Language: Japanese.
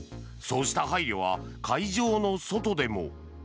そうした配慮は会場の外でも。